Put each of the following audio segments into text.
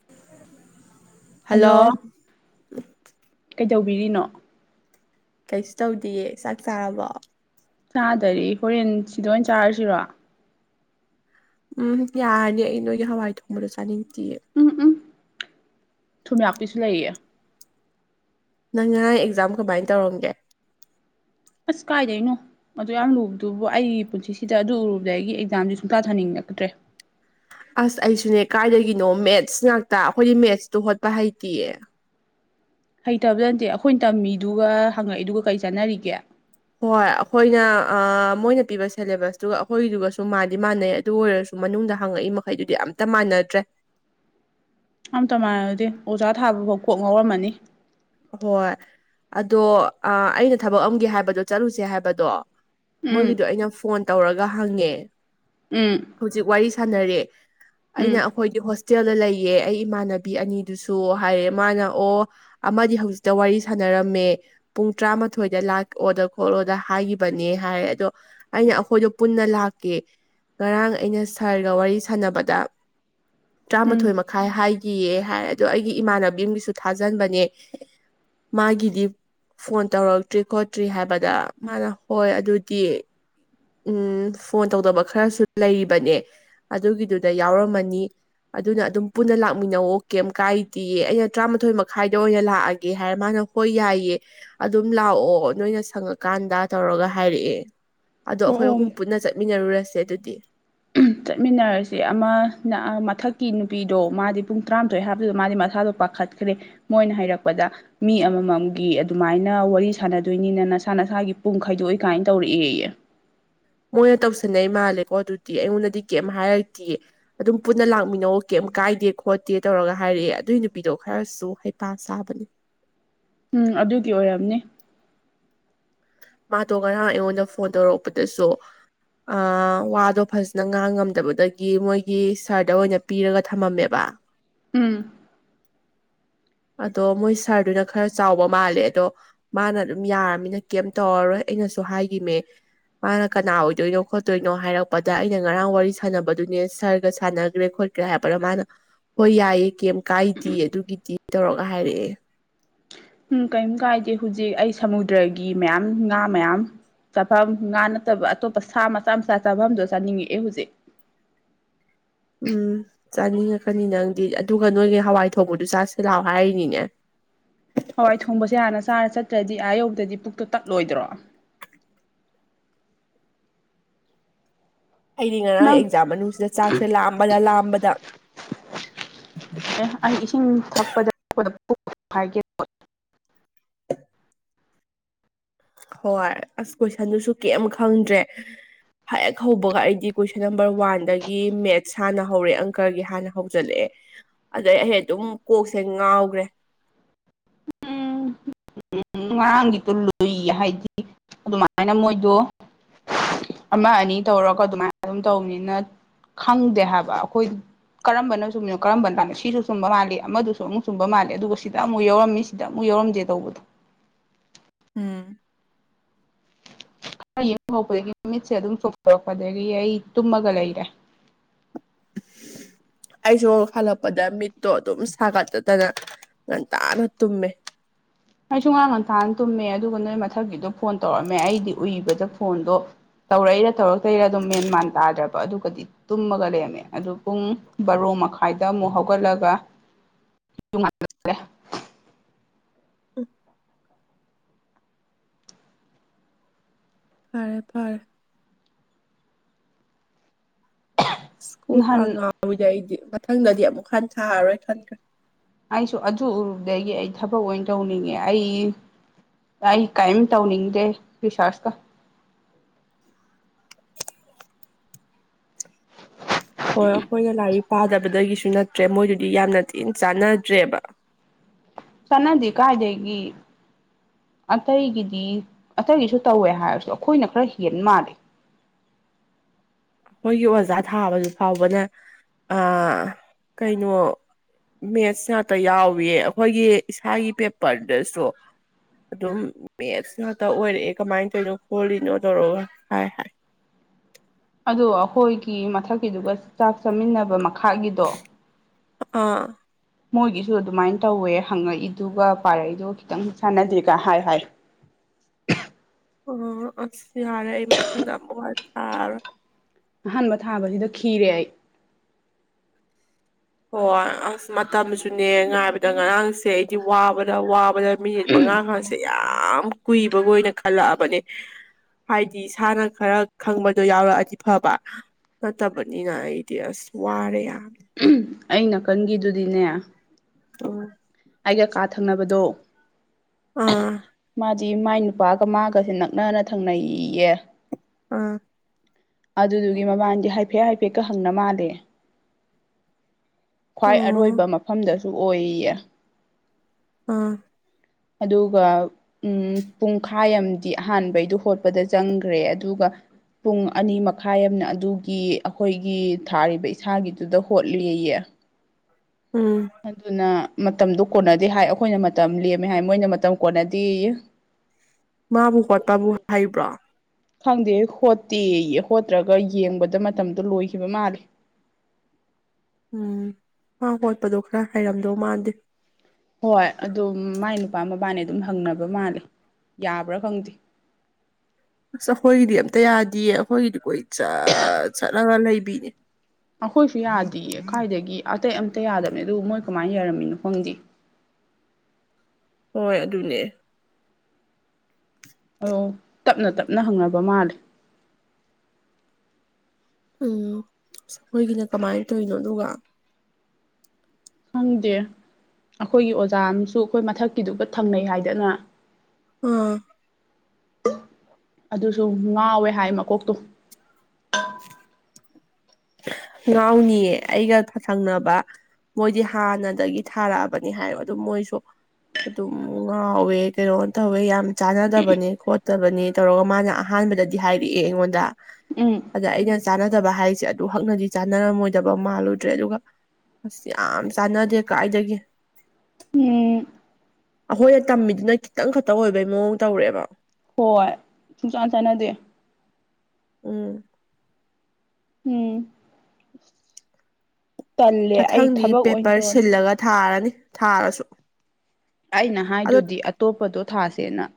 [inaudible] Hello! ꯀꯩꯗꯧꯕꯤꯔꯤꯅꯣ? ꯀꯩꯁꯨ ꯇꯧꯗꯤꯌꯦ꯫ ꯆꯥꯛ ꯆꯥꯔꯕꯣ? ꯆꯥꯗꯔꯤ ꯍꯣꯔꯦꯟ ꯁꯤꯗ ꯑꯣꯏꯅ ꯆꯥꯔꯁꯤꯔꯣ? ꯎꯝ ꯌꯥꯔꯅꯤ ꯑꯩ ꯅꯣꯏꯒꯤ ꯍꯋꯥꯏ ꯊꯣꯡꯕꯗꯣ ꯆꯥꯅꯤꯡꯇꯤꯌꯦ꯫ ꯎꯝ ꯎꯝ ꯊꯨꯝꯌꯥꯛꯄꯤꯁꯨ ꯂꯩꯌꯦ꯫ ꯅꯪ ꯉꯥꯔꯥꯡ ꯑꯦꯛꯖꯥꯝ ꯀꯃꯥꯏ ꯇꯧꯔꯝꯒꯦ? ꯑꯁ ꯀꯥꯏꯗꯩꯅꯣ꯫ ꯑꯗꯨꯌꯥꯝ ꯂꯨꯕꯗꯨꯕꯨ ꯑꯩ ꯄꯨꯟꯁꯤꯁꯤꯗ ꯑꯗꯨ ꯎꯔꯨꯕꯗꯒꯤ ꯑꯩꯒꯤ ꯑꯦꯛꯖꯥꯝꯁꯦ ꯁꯨꯡꯊꯥ-ꯊꯥꯅꯤꯡꯉꯛꯇ꯭ꯔꯦ꯫ ꯑꯁ ꯑꯩꯁꯨꯅꯦ ꯀꯥꯏꯗꯒꯤꯅꯣ ꯃꯦꯠꯁ ꯉꯥꯛꯇ ꯑꯩꯈꯣꯏꯗꯤ ꯃꯦꯠꯁꯇꯨ ꯍꯣꯠꯄ ꯍꯩꯇꯤꯌꯦ꯫ ꯍꯩꯇꯕꯗ ꯅꯠꯇꯦ ꯑꯩꯈꯣꯏꯅ ꯇꯝꯃꯤꯗꯨꯒ ꯍꯪꯉꯛꯏꯗꯨꯒ ꯀꯔꯤ ꯆꯥꯟꯅꯔꯤꯒꯦ꯫ ꯍꯣꯏ ꯑꯩꯈꯣꯏꯅ ꯑ ꯃꯣꯏꯅ ꯄꯤꯕ ꯁꯦꯂꯦꯕꯁꯇꯨꯒ ꯑꯩꯈꯣꯏꯒꯤꯗꯨꯒꯁꯨ ꯃꯥꯗꯤ ꯃꯥꯟꯅꯩ ꯑꯗꯨ ꯑꯣꯏꯔꯁꯨ ꯃꯅꯨꯡꯗ ꯍꯪꯉꯛꯏ ꯃꯈꯩꯗꯨꯗꯤ ꯑꯝꯇ ꯃꯥꯟꯅꯇ꯭ꯔꯦ꯫ ꯑꯝꯇ ꯃꯥꯟꯅꯗꯦ ꯑꯣꯖꯥ ꯊꯥꯕꯐꯥꯎ ꯀꯣꯛ ꯉꯥꯎꯔꯝꯃꯅꯤ꯫ ꯍꯣꯏ ꯑꯗꯣ ꯑ ꯑꯩꯅ ꯊꯕꯛ ꯑꯝꯒꯤ ꯍꯥꯏꯕꯗꯣ ꯆꯠꯂꯨꯁꯦ ꯍꯥꯏꯕꯗꯣ, ꯎꯝ ꯃꯣꯏꯒꯤꯗꯣ ꯑꯩꯅ ꯐꯣꯟ ꯇꯧꯔꯒ ꯍꯪꯉꯦ꯫ ꯎꯝ ꯍꯨꯖꯤꯛ ꯋꯥꯔꯤ ꯁꯥꯟꯅꯔꯦ ꯑꯩꯅ ꯎꯝ ꯑꯩꯈꯣꯏꯗꯤ ꯍꯣꯁꯇꯦꯜꯗ ꯂꯩꯌꯦ ꯑꯩ ꯏꯃꯥꯟꯅꯕꯤ ꯑꯅꯤꯗꯨꯁꯨ ꯍꯥꯏꯔꯦ ꯃꯥꯅ ꯑꯣ ꯑꯃꯗꯤ ꯍꯧꯖꯤꯛꯇ ꯋꯥꯔꯤ ꯁꯥꯟꯅꯔꯝꯃꯦ ꯄꯨꯡ ꯇꯔꯥꯃꯥꯊꯣꯏꯗ ꯂꯥꯛꯑꯣꯗ ꯈꯣꯠꯂꯣꯗ ꯍꯥꯏꯒꯤꯕꯅꯦ ꯍꯥꯏ ꯑꯗꯣ ꯑꯩꯅ ꯑꯈꯣꯏꯗꯣ ꯄꯨꯟꯅ ꯂꯥꯛꯀꯦ ꯉꯔꯥꯡ ꯑꯩꯅ ꯁꯥꯔꯒ ꯋꯥꯔꯤ ꯁꯥꯟꯅꯕꯗ ꯎꯝ ꯇꯔꯥꯃꯥꯊꯣꯏ ꯃꯈꯥꯏ ꯍꯥꯏꯒꯤꯌꯦ ꯍꯥꯏ ꯑꯗꯣ ꯑꯩꯒꯤ ꯏꯃꯥꯟꯅꯕꯤ ꯑꯝꯒꯤꯁꯨ ꯊꯥꯖꯟꯕꯅꯦ ꯃꯥꯒꯤꯗꯤ ꯐꯣꯟ ꯇꯧꯔꯛꯇ꯭ꯔꯤ ꯈꯣꯠꯇ꯭ꯔꯤ ꯍꯥꯏꯕꯗ ꯃꯥꯅ ꯍꯣꯏ ꯑꯗꯨꯗꯤ ꯎꯝ ꯐꯣꯟ ꯇꯧꯗꯕ ꯈꯔꯁꯨ ꯂꯩꯔꯤꯕꯅꯦ ꯑꯗꯨꯒꯤꯗꯨꯗ ꯌꯥꯎꯔꯝꯃꯅꯤ ꯑꯗꯨꯅ ꯑꯗꯨꯝ ꯄꯨꯟꯅ ꯂꯥꯛꯃꯤꯟꯅꯧꯑꯣ ꯀꯩꯝ ꯀꯥꯏꯗꯤꯌꯦ ꯑꯩꯅ ꯇꯔꯥꯃꯥꯊꯣꯏ ꯃꯈꯥꯏꯗ ꯑꯣꯏꯅ ꯂꯥꯛꯑꯒꯦ ꯍꯥꯏꯔ ꯃꯥꯅ ꯍꯣꯏ ꯌꯥꯏꯌꯦ ꯑꯗꯨꯝ ꯂꯥꯛꯑꯣ ꯅꯣꯏꯅ ꯁꯪꯉꯀꯥꯟꯗ ꯇꯧꯔꯒ ꯍꯥꯏꯔꯛꯑꯦ ꯑꯗꯣ ꯑꯣ ꯑꯩꯈꯣꯏ ꯑꯣ ꯑꯍꯨꯝ ꯄꯨꯟꯅ ꯆꯠꯃꯤꯟꯅꯔꯨꯔꯁꯦ ꯑꯗꯨꯗꯤ ꯆꯠꯃꯤꯟꯅꯔꯁꯦ ꯑꯃꯅ ꯃꯊꯛꯀꯤ ꯅꯨꯄꯤꯗꯣ ꯃꯥꯗꯤ ꯄꯨꯡ ꯇꯔꯥꯃꯥꯊꯣꯏ ꯍꯥꯏꯕꯗꯨꯗ ꯃꯥꯗꯤ ꯃꯁꯥꯗꯣ ꯄꯥꯛ ꯈꯠꯈ꯭ꯔꯦ ꯃꯣꯏꯅ ꯍꯥꯏꯔꯛꯄꯗ ꯃꯤ ꯑꯃꯃꯝꯒꯤ ꯑꯗꯨꯃꯥꯏꯅ ꯋꯥꯔꯤ ꯁꯥꯟꯅꯗꯣꯏꯅꯤꯅ ꯅꯁꯥ ꯅꯁꯥꯒꯤ ꯄꯨꯡ ꯈꯥꯏꯗꯣꯛꯏ ꯀꯥꯏꯅ ꯇꯧꯔꯛꯑꯦꯌꯦ ꯃꯣꯏꯅ ꯇꯧꯁꯟꯅꯩ ꯃꯥꯜꯂꯦꯀꯣ ꯑꯗꯨꯗꯤ ꯑꯩꯉꯣꯟꯗꯗꯤ ꯀꯩꯝ ꯍꯥꯏꯔꯛꯇꯦ ꯑꯗꯨꯝ ꯄꯨꯟꯅ ꯂꯥꯛꯃꯤꯟꯅꯧ ꯀꯩꯝ ꯀꯥꯏꯗꯦ ꯈꯣꯠꯇꯦ ꯇꯧꯔꯒ ꯍꯥꯏꯔꯛꯑꯦ ꯑꯗꯨꯏ ꯅꯨꯄꯤꯗꯣ ꯈꯔꯁꯨ ꯍꯩꯄꯥ ꯁꯥꯕꯅꯦ ꯎꯝ ꯑꯗꯨꯒꯤ ꯑꯣꯏꯔꯝꯅꯤ ꯃꯥꯗꯣ ꯉꯔꯥꯡ ꯑꯩꯉꯣꯟꯗ ꯐꯣꯟ ꯇꯧꯔꯛꯄꯗꯁꯨ ꯑꯥ ꯋꯥꯗꯣ ꯐꯖꯅ ꯉꯥꯡꯉꯝꯗꯕꯗꯒꯤ ꯃꯣꯏꯒꯤ ꯁꯥꯔꯗ ꯑꯣꯏꯅ ꯄꯤꯔꯒ ꯊꯝꯃꯝꯃꯦꯕ ꯎꯝ ꯑꯗꯣ ꯃꯣꯏ ꯁꯥꯔꯗꯨꯅ ꯈꯔ ꯆꯥꯎꯕ ꯃꯥꯜꯂꯦ ꯑꯗꯣ ꯃꯥꯅ ꯑꯗꯨꯝ ꯌꯥꯔꯃꯤꯅ ꯀꯩꯝ ꯇꯧꯔꯔꯣꯏ ꯑꯩꯅꯁꯨ ꯍꯥꯏꯒꯤꯃꯦ ꯃꯥꯅ ꯀꯅꯥ ꯑꯣꯏꯗꯣꯏꯅꯣ ꯈꯣꯠꯇꯣꯏꯅꯣ ꯍꯥꯏꯔꯛꯄꯗ ꯑꯩꯅ ꯉꯔꯥꯡ ꯋꯥꯔꯤ ꯁꯥꯟꯅꯕꯗꯨꯅꯦ ꯁꯥꯔꯒ ꯁꯥꯟꯅꯒꯔꯦ ꯈꯣꯠ ꯀꯔꯦ ꯍꯥꯏꯔꯛꯄꯅ ꯃꯥꯅ ꯍꯣꯏ ꯌꯥꯏꯌꯦ ꯀꯩꯝ ꯀꯥꯏꯗꯦ ꯑꯗꯨꯒꯤꯗꯤ ꯇꯧꯔꯒ ꯍꯥꯏꯔꯛꯑꯦ ꯎꯝ ꯀꯩꯝ ꯀꯥꯏꯗꯦ ꯍꯧꯖꯤꯛ ꯑꯩ ꯁꯃꯨꯗ꯭ꯔꯒꯤ ꯃꯌꯥꯝ ꯉꯥ ꯃꯌꯥꯝ ꯆꯥꯐꯝ ꯉꯥ ꯅꯠꯇꯕ ꯑꯇꯣꯞꯄ ꯁꯥ ꯃꯆꯥ ꯃꯆꯥ ꯆꯥꯐꯝꯗꯣ ꯆꯥꯅꯤꯡꯉꯛꯑꯦ ꯍꯧꯖꯤꯛ ꯎꯝ ꯆꯥꯅꯤꯡꯉꯛꯀꯅꯤ ꯅꯪꯗꯤ ꯑꯗꯨꯒ ꯅꯣꯏꯒꯤ ꯍꯋꯥꯏ ꯊꯣꯡꯕꯗꯨ ꯆꯥꯁꯤꯂꯥꯛꯑꯣ ꯍꯥꯏꯔꯤꯅꯤꯅꯦ ꯍꯋꯥꯏ ꯊꯣꯡꯕꯁꯦ ꯍꯥꯟꯅ ꯆꯥꯔ ꯆꯠꯇ꯭ꯔꯗꯤ ꯑꯥ ꯌꯧꯕꯗꯗꯤ ꯄꯨꯛꯇꯣ ꯇꯠꯂꯣꯏꯗ꯭ꯔꯣ ꯑꯩꯗꯤ ꯉꯔꯥꯡ ꯅꯪ ꯑꯦꯛꯖꯥꯝ ꯃꯅꯨꯡꯁꯤꯗ ꯆꯥꯛꯁꯦ ꯂꯥꯝꯕꯗ ꯂꯥꯝꯕꯗ ꯑꯦ ꯑꯩ ꯏꯁꯤꯡ ꯊꯛꯄꯗꯄꯗ ꯄꯨꯛ ꯍꯥꯏꯒꯦ ꯍꯣꯏ ꯑꯁ ꯀꯣꯏꯁꯟꯗꯨꯁꯨ ꯀꯩꯝ ꯈꯪꯗ꯭ꯔꯦ ꯍꯦꯛ ꯍꯧꯕꯒ ꯑꯩꯗꯤ ꯀꯣꯏꯁꯟ ꯅꯝꯕꯔ ꯋꯥꯟꯗꯒꯤ ꯃꯦꯠꯁ ꯍꯥꯟꯅ ꯍꯧꯔꯦ ꯑꯪꯀꯒꯤ ꯍꯥꯟꯅ ꯍꯧꯖꯜꯂꯛꯑꯦ ꯑꯗꯩ ꯑꯩ ꯑꯗꯨꯝ ꯀꯣꯛꯁꯦ ꯉꯥꯎꯒꯔꯦ ꯎꯝ ꯉꯔꯥꯡꯒꯤꯗꯣ ꯂꯨꯏ ꯍꯥꯏꯗꯤ ꯑꯗꯨꯃꯥꯏꯅ ꯃꯣꯏꯗꯣ ꯑꯃ ꯑꯅꯤ ꯇꯧꯔꯒ ꯑꯗꯨꯃꯥꯏꯅ ꯑꯗꯨꯝ ꯇꯧꯕꯅꯤꯅ ꯈꯪꯗꯦ ꯍꯥꯏꯕ ꯑꯩꯈꯣꯏ ꯀꯔꯝꯕꯅ ꯆꯨꯝꯃꯤꯅꯣ ꯀꯔꯝꯕꯅ ꯂꯥꯟꯂꯤꯅꯣ ꯁꯤꯁꯨ ꯆꯨꯝꯕ ꯃꯥꯜꯂꯤ ꯑꯃꯗꯨꯁꯨ ꯑꯃꯨꯛ ꯆꯨꯝꯕ ꯃꯥꯜꯂꯦ ꯑꯗꯨꯒ ꯁꯤꯗ ꯑꯃꯨꯛ ꯌꯥꯎꯔꯝꯃꯤꯁꯤ ꯁꯤꯗ ꯑꯃꯨꯛ ꯌꯥꯎꯔꯝꯗꯦ ꯇꯧꯕꯗꯣ ꯎꯝ [unintelligible] ꯌꯨꯝ ꯍꯥꯜꯂꯛꯄꯗꯒꯤ ꯃꯤꯠꯁꯦ ꯑꯗꯨꯝ ꯆꯣꯡꯊꯣꯔꯛꯄ ꯑꯗꯒꯤ ꯑꯩ ꯇꯨꯝꯃꯒ ꯂꯩꯔꯦ ꯑꯩꯁꯨꯨ ꯍꯜꯂꯛꯄꯗ ꯃꯤꯠꯇꯣ ꯑꯗꯨꯝ ꯁꯥꯒꯠꯗꯅ ꯉꯟꯇꯥꯅ ꯇꯨꯝꯃꯦ ꯑꯩꯁꯨꯨ ꯉꯔꯥꯡ ꯉꯟꯊꯥꯅ ꯇꯨꯝꯃꯦ ꯑꯗꯨꯒ ꯅꯣꯏ ꯃꯊꯛꯀꯤꯗꯣ ꯐꯣꯟ ꯇꯧꯔꯛꯑꯝꯃꯦ ꯑꯩꯗꯤ ꯎꯏꯕꯗ ꯐꯣꯟꯗꯣ ꯇꯧꯔꯛꯏꯔ ꯇꯧꯔꯛꯇꯔꯤꯔꯗꯣ ꯃꯦꯟ ꯃꯥꯟ ꯇꯥꯗ꯭ꯔꯕ ꯑꯗꯨꯒꯗꯤ ꯇꯨꯝꯃꯒ ꯂꯩꯔꯝꯃꯦ ꯑꯗꯨ ꯄꯨꯡ ꯕꯥꯔꯣ ꯃꯈꯥꯏꯗ ꯑꯃꯨꯛ ꯍꯧꯒꯠꯂꯒ ꯇꯨꯡ [inaudible] ꯐꯥꯔꯦ ꯐꯥꯔꯦ ꯑꯁ ꯀꯣꯛꯀ ꯅꯍꯥꯟ ꯉꯥꯎꯏꯗ ꯑꯩꯗꯤ ꯃꯊꯪꯗꯗꯤ ꯑꯃꯨꯛ ꯍꯟ ꯊꯥꯔꯔꯣꯏ ꯈꯟꯈꯔ ꯑꯩꯁꯨ ꯑꯗꯨ ꯎꯔꯨꯕꯗꯒꯤ ꯑꯩ ꯊꯕꯛ ꯑꯣꯏꯟ ꯇꯧꯅꯤꯡꯉꯦ ꯑꯩ ꯑꯩ ꯀꯩꯝ ꯇꯧꯅꯤꯡꯗꯦ ꯔꯤꯁꯥ꯭ꯔꯁꯀ ꯍꯣꯏ ꯑꯩꯈꯣꯏꯅ ꯂꯥꯏꯔꯤꯛ ꯄꯥꯗꯕꯗꯒꯤꯁꯨ ꯅꯠꯇ꯭ꯔꯦ ꯃꯣꯏꯗꯨꯗꯤ ꯌꯥꯝꯅ ꯊꯤꯅ ꯆꯥꯟꯅꯗ꯭ꯔꯦꯕ ꯆꯥꯟꯅꯥꯗ‌ꯦ ꯀꯥꯏꯗꯒꯤ ꯑꯇꯩꯒꯤꯗꯤ ꯑꯇꯩꯒꯤꯁꯨ ꯇꯧꯋꯦ ꯍꯥꯏꯔꯁꯨ ꯑꯩꯈꯣꯏꯅ ꯈꯔ ꯍꯦꯟ ꯃꯥꯟꯂꯦ ꯃꯣꯏꯒꯤ ꯑꯣꯖꯥ ꯊꯥꯕꯗꯨ ꯐꯥꯎꯕꯅ ꯑꯥ ꯀꯩꯅꯣ ꯃꯦꯠꯁ ꯉꯥꯛꯇ ꯌꯥꯎꯏ ꯑꯈꯣꯏꯒꯤ ꯏꯁꯥꯒꯤ ꯄꯦꯄꯔꯗꯁꯨ ꯑꯗꯨꯝ ꯃꯦꯠꯁ ꯉꯥꯛꯇ ꯑꯣꯏꯔꯛꯑꯦ ꯀꯃꯥꯏꯟ ꯇꯧꯏꯅꯣ ꯈꯣꯠꯂꯤꯅꯣ ꯇꯧꯔꯒ ꯍꯥꯏ ꯍꯥꯏ ꯑꯗꯣ ꯑꯈꯣꯏꯒꯤ ꯃꯊꯛꯀꯤꯗꯨꯒ ꯆꯥꯛ ꯆꯥꯃꯤꯟꯅꯕ ꯃꯈꯥꯒꯤꯗꯣ ꯑꯥ ꯃꯣꯏꯒꯤꯁꯨ ꯑꯗꯨꯃꯥꯏꯟ ꯇꯧꯋꯦ ꯍꯪꯉꯛꯏꯗꯨꯒ ꯄꯥꯔꯛꯏꯗꯨꯒ ꯈꯤꯇꯪ ꯆꯥꯟꯅꯗꯦꯒ ꯍꯥꯏ ꯍꯥꯏ ꯎꯝ ꯑꯁ ꯌꯥꯔꯦ ꯑꯩ ꯃꯊꯪꯗ ꯑꯃꯨꯛ ꯍꯟ ꯊꯥꯔꯣꯏ ꯑꯍꯥꯟꯕ ꯊꯥꯕꯒꯤꯗ ꯈꯤꯔꯦ ꯑꯩ ꯍꯣꯏ ꯑꯁ ꯃꯇꯝꯁꯨꯅꯦ ꯉꯥꯏꯕꯗ ꯉꯔꯥꯡꯁ ꯁꯦ ꯑꯩꯗꯤ ꯋꯥꯕꯅ ꯋꯥꯕꯅ ꯃꯤꯅꯤꯠ ꯃꯉꯥꯜ ꯒꯁ [unintelligible] ꯌꯥꯝ ꯀꯨꯏꯕꯒ ꯑꯣꯏꯅ ꯈꯜꯂꯑꯕꯅꯦ ꯍꯥꯏꯗꯤ ꯏꯁꯥꯅ ꯈꯔ ꯈꯪꯕꯗꯣ ꯌꯥꯎꯔꯛꯑꯗꯤ ꯐꯕ ꯅꯠꯇꯕꯅꯤꯅ ꯑꯩꯗꯤ ꯑꯁ ꯋꯥꯔꯦ ꯌꯥꯝ ꯑꯩ ꯅꯥꯀꯟꯒꯤꯗꯨꯗꯤꯅꯦ ꯎꯝ ꯑꯩꯒ ꯀꯥ ꯊꯪꯅꯕꯗꯣ ꯑꯥ ꯃꯥꯗꯤ ꯃꯥꯏ ꯅꯨꯄꯥꯒ ꯃꯥꯒꯁꯦ ꯅꯛꯅꯅ ꯊꯪꯅꯩꯌꯦ ꯑꯥ ꯑꯗꯨꯗꯨꯒꯤ ꯃꯕꯥꯟꯗꯤ ꯍꯥꯏꯐꯦꯠ ꯍꯥꯏꯐꯦꯠꯀ ꯍꯪꯅ ꯃꯥꯜꯂꯦ ꯈ꯭ꯋꯥꯏ ꯑꯣ ꯑꯔꯣꯏꯕ ꯃꯐꯝꯗꯁꯨ ꯑꯣꯏꯌꯦ ꯑꯥ ꯑꯗꯨꯒ ꯎꯝ ꯄꯨꯡꯈꯥꯏ ꯑꯝꯗꯤ ꯑꯍꯥꯟꯕꯩꯗꯣ ꯍꯣꯠꯄꯗ ꯆꯪꯈ꯭ꯔꯦ ꯑꯗꯨꯒ ꯄꯨꯡ ꯑꯅꯤ ꯃꯈꯥꯏ ꯑꯝꯅ ꯑꯗꯨꯒꯤ ꯑꯈꯣꯏꯒꯤ ꯊꯥꯔꯤꯕ ꯏꯁꯥꯒꯤꯗꯨꯗ ꯍꯣꯠꯂꯦꯌꯦ ꯎꯝ ꯑꯗꯨꯅ ꯃꯇꯝꯗꯣ ꯀꯣꯟꯅꯗꯦ ꯍꯥꯏ ꯑꯩꯈꯣꯏꯅ ꯃꯇꯝ ꯂꯦꯝꯃꯦ ꯍꯥꯏ ꯃꯣꯏꯅ ꯃꯇꯝ ꯀꯣꯟꯅꯗꯦꯌꯦ [inaudible] ꯃꯥꯕꯨ ꯍꯣꯠꯄꯝꯕꯨ ꯍꯩꯕ꯭ꯔꯣ ꯈꯪꯗꯦ ꯍꯣꯠꯇꯦꯌꯦ ꯍꯣꯠꯇ꯭ꯔꯒ ꯌꯦꯡꯕꯗ ꯃꯇꯝꯗꯣ ꯂꯣꯏꯈꯤꯕ ꯃꯥꯂꯦ ꯎꯝ ꯃꯥ ꯍꯣꯠꯄꯗꯣ ꯈꯔ ꯍꯩꯔꯝꯗꯧ ꯃꯥꯥꯟꯗꯦ ꯍꯣꯏ ꯑꯗꯨ ꯃꯥꯏ ꯅꯨꯄꯥ ꯃꯕꯥꯅꯤ ꯑꯗꯨꯝ ꯍꯪꯅꯕ ꯃꯥꯜꯂꯦ ꯌꯥꯕ꯭ꯔꯥ ꯈꯪꯗꯦ ꯑꯁ ꯑꯈꯣꯏꯒꯤꯗꯤ ꯑꯝꯇ ꯌꯥꯗꯤꯌꯦ ꯑꯈꯣꯏꯒꯤꯗꯤ ꯀꯣꯏ ꯆꯠ ꯆꯠꯂꯒ ꯂꯩꯕꯤꯅꯤ ꯑꯈꯣꯏꯁꯨ ꯌꯥꯗꯤꯌ‌ꯦ ꯀꯥꯏꯗꯒꯤ ꯑꯇꯩ ꯑꯝꯇ ꯌꯥꯗꯕꯅꯦ ꯑꯗꯨꯒ ꯃꯣꯏ ꯀꯃꯥꯏꯟ ꯌꯔꯝꯃꯤꯅꯣ ꯈꯪꯗꯦ ꯍꯣꯏ ꯑꯗꯨꯅꯦ ꯑꯣ ꯇꯞꯅ ꯇꯞꯅ ꯍꯪꯅꯕ ꯃꯥꯜꯂꯦ ꯎꯝ ꯈꯣꯏꯒꯤꯅ ꯀꯃꯥꯏ ꯇꯧꯔꯤꯅꯣ ꯑꯗꯨꯒ ꯈꯪꯗꯦ ꯑꯩꯈꯣꯏꯒꯤ ꯑꯣꯖꯥ ꯑꯃꯁꯨ ꯑꯩꯈꯣꯏ ꯃꯊꯛꯀꯤꯗꯨꯒ ꯊꯪꯅꯩ ꯍꯥꯏꯗꯅ ꯑꯥ ꯑꯗꯨꯁꯨ ꯉꯥꯎꯋꯦ ꯍꯥꯏ ꯃꯀꯣꯛꯇꯣ ꯉꯥꯎꯅꯤꯌꯦ ꯑꯩꯒ ꯊꯪꯅꯕ ꯃꯣꯏꯗꯤ ꯍꯥꯟꯅꯗꯒꯤ ꯊꯥꯔꯛꯑꯕꯅꯤ ꯍꯥꯏ ꯑꯗꯨꯝ ꯃꯣꯏꯁꯨ ꯑꯗꯨꯝ ꯉꯥꯎꯋꯦ ꯀꯩꯅꯣ ꯇꯧꯋꯦ ꯌꯥꯝ ꯆꯥꯟꯅꯗꯕꯅꯦ ꯈꯣꯠꯇꯕꯅꯤ ꯇꯧꯔꯒ ꯃꯥꯅ ꯑꯍꯥꯟꯕꯗꯗꯤ ꯍꯥꯏꯔꯛꯑꯦ ꯑꯩꯉꯣꯟꯗ ꯎꯝ ꯑꯗ ꯑꯩꯅ ꯆꯥꯟꯅꯗꯕ ꯍꯥꯏꯁꯦ ꯑꯗꯨꯛ ꯍꯛꯅꯗꯤ ꯆꯥꯟꯅꯔꯝꯃꯣꯏꯗꯕ ꯃꯥꯜꯂꯨꯗ꯭ꯔꯦ ꯑꯗꯨꯒ ꯑꯁ ꯌꯥꯝ ꯆꯥꯟꯅꯗꯦ ꯀꯥꯏꯗꯒꯤ ꯎꯝ ꯑꯈꯣꯏꯅ ꯇꯝꯃꯤꯗꯨꯅ ꯈꯤꯇꯪ ꯈꯛꯇ ꯑꯣꯏꯕꯩ ꯃꯑꯣꯡ ꯇꯧꯔꯛꯑꯦꯕ ꯍꯣꯏ ꯁꯨꯡꯆꯥꯟ ꯆꯥꯟꯅꯗꯦ ꯎꯝ ꯎꯝ ꯇꯜꯂꯦ ꯑꯩ ꯃꯊꯪꯗꯤ ꯊꯕꯛ ꯑꯣꯏꯅ ꯄꯦꯄꯔ ꯇꯧꯔꯅꯤ ꯁꯤꯜꯂꯒ ꯊꯥꯔꯅꯤ ꯊꯥꯔꯁꯨ ꯑꯩꯅ ꯑꯗꯣ ꯍꯥꯏꯗꯨꯗꯤ ꯑꯇꯣꯞꯄꯗꯣ ꯊꯥꯁꯦꯅ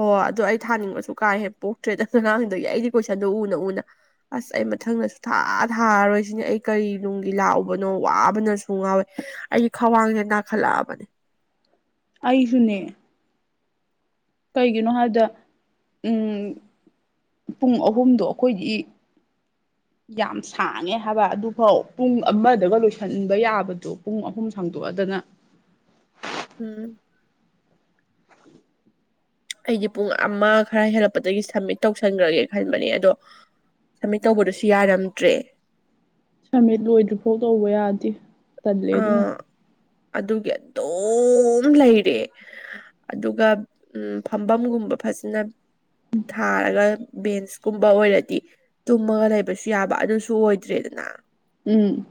ꯍꯣ ꯑꯗꯣ ꯑꯩ ꯊꯥꯅꯤꯡꯕꯁꯨ ꯀꯥ ꯍꯦꯟꯅ ꯄꯣꯛꯇ꯭ꯔꯦꯗ ꯉꯔꯥꯡꯗꯒꯤ ꯑꯩꯒꯤ ꯀꯣꯏꯁꯟꯗꯣ ꯎꯅ ꯎꯅ ꯑꯁ ꯑꯩ ꯃꯊꯪꯗ ꯁꯨ ꯊꯥ ꯊꯥꯔꯔꯣꯏ ꯁꯤꯅꯦ ꯑꯩ ꯀꯔꯤ ꯅꯨꯡꯒꯤ ꯂꯥꯛꯎꯕꯅꯣ ꯋꯥꯕꯅꯁꯨ ꯉꯥꯎꯋꯦ ꯑꯩ ꯈ꯭ꯋꯥꯡꯁꯦ ꯅꯥꯈꯠꯂꯛꯑꯕꯅꯦ ꯑꯩꯁꯨꯅꯦ ꯀꯩꯒꯤꯅꯣ ꯍꯥꯏꯕꯗ ꯎꯝ ꯄꯨꯡ ꯑꯍꯨꯝꯗꯣ ꯑꯩꯈꯣꯏꯒꯤ ꯌꯥꯝ ꯁꯥꯡꯉꯦ ꯍꯥꯏꯕ ꯑꯗꯨꯐꯥꯎ ꯄꯨꯡ ꯑꯃꯗꯒ ꯂꯣꯏꯁꯤꯟꯕ ꯌꯥꯕꯗꯣ ꯄꯨꯡ ꯑꯍꯨꯝ ꯁꯥꯡꯗꯣꯛꯑꯗꯅ ꯎꯝ ꯑꯩꯗꯤ ꯄꯨꯡ ꯑꯃ ꯈꯔ ꯍꯦꯜꯂꯛꯄꯗꯒꯤ ꯁꯝꯃꯤꯠ ꯇꯧꯁꯟꯈ꯭ꯔꯒꯦ ꯈꯟꯕꯅꯦ ꯑꯗꯣ ꯁꯝꯃꯤꯠ ꯇꯧꯕꯗꯨꯁꯨ ꯌꯥꯔꯝꯗ꯭ꯔꯦ ꯁꯃꯤꯠ ꯂꯣꯏꯗ꯭ꯔꯤꯐꯥꯎ ꯇꯧꯕ ꯌꯥꯗꯦ ꯇꯜꯂꯦ ꯑꯗꯨꯅ ꯑꯥ ꯑꯗꯨꯒꯤ ꯑꯗꯨꯝ ꯂꯩꯔꯦ ꯑꯗꯨꯒ ꯎꯝ ꯐꯝꯕꯝꯒꯨꯝꯕ ꯐꯖꯅ ꯊꯥꯔꯒ ꯕꯦꯟꯁꯀꯨꯝꯕ ꯑꯣꯏꯔꯗꯤ ꯇꯨꯝꯃꯒ ꯂꯩꯕꯁꯨ ꯌꯥꯕ ꯑꯗꯨꯁꯨ ꯑꯣꯏꯗ꯭ꯔꯦꯗꯅ ꯎꯝ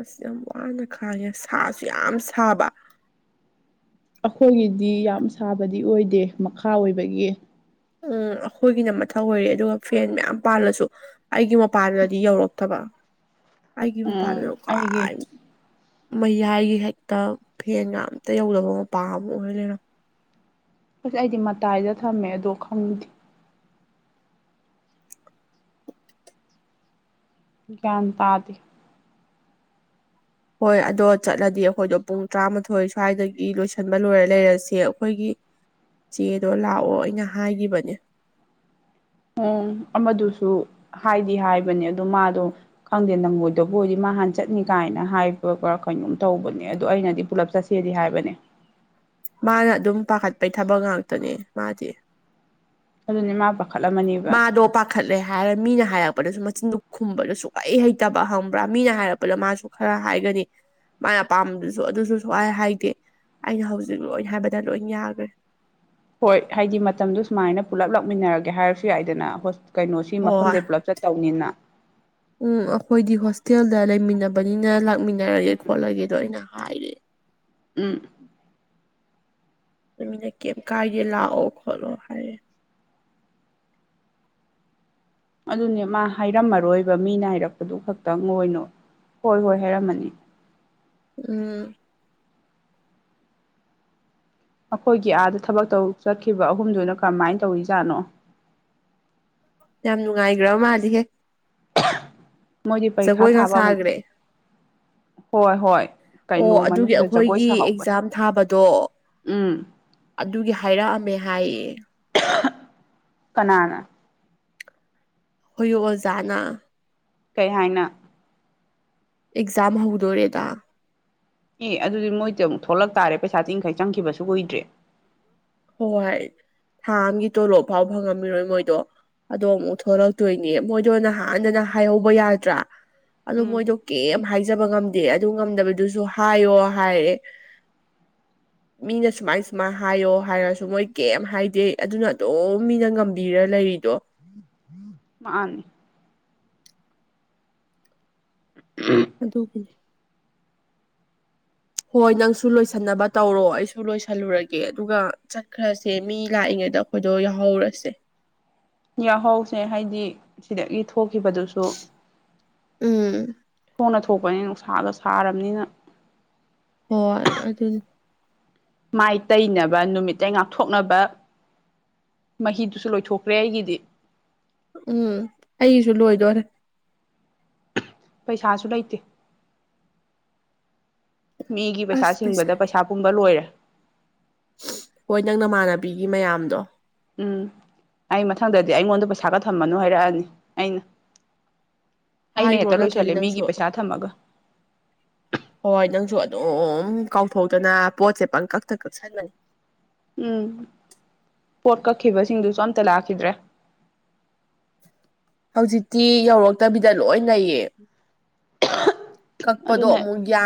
ꯑꯁ ꯌꯥꯝ ꯋꯥꯅ ꯈꯡꯉꯦ ꯁꯥꯁꯨ ꯌꯥꯝ ꯁꯥꯕ ꯑꯩꯈꯣꯏꯒꯤꯗꯤ ꯌꯥꯝ ꯁꯥꯕꯗꯤ ꯑꯣꯏꯗꯦ ꯃꯈꯥ ꯑꯣꯏꯕꯒꯤ ꯎꯝ ꯑꯩꯈꯣꯏꯒꯤꯅ ꯃꯊꯛ ꯑꯣꯏꯔꯦ ꯑꯗꯨꯒ ꯐꯦꯟ ꯃꯌꯥꯝ ꯄꯥꯜꯂꯁꯨ ꯑꯩꯒꯤ ꯃꯄꯥꯟꯗꯗꯤ ꯌꯧꯔꯛꯇꯕ ꯑꯩꯒꯤ ꯃꯄꯥꯥꯟꯗ ꯎꯝ ꯑꯩꯒꯤ ꯈꯨꯋꯥꯏ ꯃꯌꯥꯏꯒꯤ ꯍꯦꯛꯇ ꯐꯦꯟꯒ ꯑꯝꯇꯥ ꯌꯧꯗꯕ ꯃꯄꯥ ꯑꯃ ꯑꯣꯏꯔ ꯂꯩꯔꯝ ꯑꯁ ꯑꯩꯗꯤ ꯃꯇꯥꯏꯗ ꯊꯝꯃꯦ ꯑꯗꯣ ꯈꯪꯗꯦ ꯒꯤꯌꯟ ꯇꯗꯦ ꯍꯣꯏ ꯑꯗꯣ ꯆꯠꯂꯗꯤ ꯑꯩꯈꯣꯏꯗꯣ ꯄꯨꯡ ꯇꯔꯥꯃꯥꯊꯣꯏ ꯁ꯭ꯋꯥꯏꯗꯒꯤ ꯂꯣꯏꯁꯤꯟꯕ ꯂꯣꯏꯔ ꯂꯩꯔꯁꯦ ꯑꯩꯈꯣꯏꯒꯤ ꯆꯦꯗꯣ ꯂꯥꯛꯑꯣ ꯑꯩꯅ ꯍꯥꯏꯈꯤꯕꯅꯦ ꯎꯝ ꯑꯃꯗꯨꯁꯨ ꯍꯥꯏꯗꯤ ꯍꯥꯏꯕꯅꯦ ꯑꯗꯨ ꯃꯥꯗꯣ ꯈꯪꯗꯦ ꯅꯪꯉꯣꯏꯗꯕꯨ ꯑꯣꯏꯗꯤ ꯃꯥꯍꯥꯟ ꯆꯠꯅꯤ ꯀꯥꯏꯅ ꯍꯥꯏꯕꯒꯥ ꯀꯩꯅꯣꯝ ꯇꯧꯕꯅꯦ ꯑꯗꯣ ꯑꯩꯅꯗꯤ ꯄꯨꯂꯞ ꯆꯠꯁꯤ ꯁꯤꯗꯤ ꯍꯥꯏꯕꯅꯦ ꯃꯥꯅ ꯑꯗꯨꯝ ꯄꯥꯈꯠꯄꯩ ꯊꯕꯛ ꯉꯥꯛꯇꯅꯦ ꯃꯥꯗꯤ ꯑꯗꯨꯅꯦ ꯃꯥ ꯄꯥ ꯈꯠꯂꯝꯃꯅꯤ ꯃꯥꯗꯣ ꯄꯥꯛ ꯈꯠꯂꯦ ꯍꯥꯏꯔ ꯃꯤꯅ ꯍꯥꯏꯔꯛꯄꯗꯁꯨ ꯃꯆꯤꯟꯗꯣ ꯈꯨꯝꯕꯗꯣ ꯁꯨꯛꯍꯩ ꯍꯩꯇꯕ ꯍꯪꯕ꯭ꯔꯥ ꯃꯤꯅ ꯍꯥꯏꯔꯛꯄꯗ ꯃꯥꯁꯨ ꯈꯔ ꯍꯥꯏꯒꯅꯤ ꯃꯥꯢ ꯄꯥꯝꯕꯗꯨꯁꯨ ꯑꯗꯨꯁꯨ ꯁꯨꯛꯍꯥꯏ ꯍꯥꯏꯗꯦ ꯑꯩꯅ ꯍꯧꯖꯤꯛ ꯂꯣꯏ ꯍꯥꯏꯕꯗ ꯂꯣꯏꯟ ꯌꯥꯒ꯭ꯔꯦ ꯍꯣꯏ ꯍꯥꯏꯗꯤ ꯃꯇꯝꯗꯣ ꯁꯨꯃꯥꯏꯅ ꯄꯨꯜꯂꯞ ꯂꯥꯛꯃꯤꯟꯅꯔꯒꯦ ꯍꯥꯏꯔꯁꯨ ꯌꯥꯏꯗꯅꯥ ꯍꯣꯁ ꯀꯩꯅꯣ ꯁꯤ ꯍꯣꯏ ꯍꯣꯏ ꯃꯐꯝꯗꯩ ꯄꯨꯜꯂꯞ ꯆꯠꯇꯧꯅꯤꯅ ꯎꯝ ꯑꯈꯣꯏꯗꯤ ꯍꯣꯁꯇꯦꯜꯗ ꯂꯩꯃꯤꯟꯅꯕꯅꯤꯅ ꯂꯥꯛꯃꯤꯟꯅꯔꯒꯦ ꯈꯣꯠꯂꯒꯦꯗꯣ ꯑꯩꯅ ꯍꯥꯏꯔꯦ ꯎꯝ ꯑꯗꯨ ꯃꯤꯅ ꯀ꯭ꯌꯝ ꯀꯥꯏꯗꯦ ꯂꯥꯛꯑꯣ ꯈꯣꯠꯂꯣ ꯍꯥꯏꯌꯦ ꯑꯗꯨꯅꯦ ꯃꯥ ꯍꯥꯏꯔꯝꯃꯔꯣꯏꯕ ꯃꯤꯅ ꯍꯥꯏꯔꯛꯄꯗꯨ ꯈꯛꯇꯪ ꯑꯣꯏꯅ ꯍꯣꯏ ꯍꯣꯏ ꯍꯥꯏꯔꯝꯃꯅꯤ ꯎꯝ ꯑꯈꯣꯏꯒꯤ ꯑꯥꯗ ꯊꯕꯛ ꯇꯧ ꯆꯠꯈꯤꯕ ꯑꯍꯨꯝꯗꯨꯅ ꯀꯔꯝꯃꯥꯏꯟ ꯇꯧꯔꯤ ꯖꯥꯠꯅꯣ ꯌꯥꯝ ꯅꯨꯡꯉꯥꯏꯒ꯭ꯔꯕ ꯃꯥꯜꯂꯤꯍꯦ ꯃꯣꯏꯗꯤ ꯄꯔꯤꯈꯥ ꯖꯒꯣꯏꯒ ꯊꯥꯕ ꯑꯃꯨꯛ ꯁꯥꯈ꯭ꯔꯦ ꯍꯣꯏ ꯍꯣꯏ ꯑꯣ ꯀꯩꯅꯣ ꯑꯗꯨꯒꯤ ꯃꯅꯨꯡꯗ ꯖꯒꯣꯏ ꯑꯈꯣꯏꯒꯤ ꯁꯥꯍꯧꯕ ꯑꯦꯛꯖꯥꯝ ꯊꯥꯕꯗꯣ ꯎꯝ ꯑꯗꯨꯒꯤ ꯍꯥꯏꯔꯛꯑꯝꯃꯦ ꯍꯥꯏꯌꯦ ꯀꯅꯥꯅ ꯍꯣꯌꯨ ꯑꯣꯖꯥꯅ ꯀꯩ ꯍꯥꯏꯅ ꯑꯦꯛꯖꯥꯝ ꯍꯧꯗꯣꯔꯦꯗꯥ ꯢ ꯑꯗꯨꯗꯤ ꯃꯣꯏꯗ ꯑꯃꯨꯛ ꯊꯣꯛꯂꯛ ꯇꯥꯔꯦ ꯄꯩꯁꯥ ꯇꯤꯟꯈꯩ ꯆꯪꯈꯤꯕꯁꯨ ꯀꯨꯏꯗ꯭ꯔꯤ ꯍꯣꯏ ꯊꯥ ꯑꯝꯒꯤ ꯇꯣꯂꯣꯞ ꯐꯥꯎ ꯐꯪꯉꯝꯃꯤꯔꯣꯏ ꯃꯣꯏꯗꯣ ꯑꯗꯣ ꯑꯃꯨꯛ ꯊꯣꯛꯂꯛꯇꯣꯏꯅꯦ ꯃꯣꯏꯗꯣ ꯅꯍꯥꯟꯗꯅ ꯍꯥꯏꯍꯧꯕ ꯌꯥꯗ꯭ꯔꯥ ꯑꯗꯨ ꯎꯝ ꯃꯣꯏꯗꯣ ꯀꯦꯝ ꯍꯥꯏꯖꯕ ꯉꯝꯗꯦ ꯑꯗꯨ ꯉꯝꯗꯕꯗꯨꯁꯨ ꯍꯥꯏꯌꯣ ꯍꯥꯏꯔꯦ [inaudible] ꯃꯤꯅ ꯁꯨꯃꯥꯏ ꯁꯨꯃꯥꯏ ꯍꯥꯏꯌꯣ ꯍꯥꯏꯔꯁꯨ ꯃꯣꯏ ꯀꯦꯝ ꯍꯥꯏꯗꯦ ꯑꯗꯨꯅ ꯑꯗꯨꯝ ꯃꯤꯅ ꯉꯝꯕꯤꯔ ꯂꯩꯔꯤꯗꯣ ꯃꯥꯅꯤ [unintelligible] ꯑꯗꯨꯒꯤꯅꯦ ꯍꯣꯏ ꯅꯪꯁꯨ ꯂꯣꯏꯁꯟꯅꯕ ꯇꯧꯔꯣ ꯑꯩꯁꯨ ꯂꯣꯏꯁꯜꯂꯨꯔꯒꯦ ꯑꯗꯨꯒ ꯆꯠꯈ꯭ꯔꯁꯦ ꯃꯤ ꯂꯥꯛꯏꯉꯩꯗ ꯈꯣꯏꯗꯣ ꯌꯥꯎꯍꯧꯔꯁꯦ ꯌꯥꯎꯍꯧꯁꯦ ꯍꯥꯏꯗꯤ ꯁꯤꯗꯒꯤ ꯊꯣꯛꯈꯤꯕꯗꯁꯨ ꯎꯝ ꯈꯣꯡꯅ ꯊꯣꯛꯄꯅꯤꯅ ꯅꯨꯡꯁꯥꯒ ꯁꯥꯔꯝꯅꯤꯅ ꯍꯣꯏ ꯑꯗꯨꯅꯤ ꯃꯥꯏ ꯇꯩꯅꯕ ꯅꯨꯃꯤꯠꯇꯩ ꯉꯥꯛꯊꯣꯛꯅꯕ ꯃꯍꯤꯗꯨꯁꯨ ꯂꯣꯏꯊꯣꯛꯈ꯭ꯔꯦ ꯑꯩꯒꯤꯗꯤ ꯎꯝ ꯑꯩꯒꯤꯁꯨ ꯂꯣꯏꯗꯣꯔꯦ ꯄꯩꯁꯥꯁꯨ ꯂꯩꯇꯦ ꯃꯤꯒꯤ ꯄꯩꯁꯥ ꯁꯤꯡꯕꯗ ꯄꯩꯁꯥ ꯄꯨꯝꯕ ꯂꯣꯏꯔꯦ ꯍꯣꯏ ꯅꯪ ꯅꯃꯥꯟꯅꯕꯤꯒꯤ ꯃꯌꯥꯝꯗꯣ ꯎꯝ ꯑꯩ ꯃꯊꯪꯗꯗꯤ ꯑꯩꯉꯣꯟꯗ ꯄꯩꯁꯥꯒ ꯊꯝꯃꯅꯨ ꯍꯥꯏꯔꯛꯑꯅꯤ ꯑꯩꯅ ꯑꯩꯅ ꯍꯥꯏꯈ꯭ꯔꯣ ꯍꯦꯛꯇꯥ ꯅꯠꯇ꯭ꯔꯗꯤ ꯂꯣꯏꯁꯜꯂꯦ ꯃꯤꯒꯤ ꯅꯪꯁꯨ ꯄꯩꯁꯥ ꯊꯝꯃꯒ ꯍꯣꯏ ꯅꯪꯁꯨ ꯑꯗꯨꯝ ꯀꯥꯎꯊꯣꯛꯇꯥꯅ ꯄꯣꯠꯁꯦ ꯄꯪ ꯀꯛꯇꯥ ꯀꯛꯁꯟꯕꯅꯦ ꯎꯝ ꯄꯣꯠ ꯀꯛꯈꯤꯕꯁꯤꯡꯗꯨꯁꯨ ꯑꯝꯇꯥ ꯂꯥꯛꯈꯤꯗ꯭ꯔꯦ ꯍꯧꯖꯤꯛꯇꯤ ꯌꯧꯔꯛꯇꯥꯕꯤꯗ ꯂꯣꯏ ꯂꯩꯩꯌꯦ ꯀꯛꯄꯗꯣ ꯑꯗꯨꯅ ꯑꯃꯨꯛ ꯌꯥ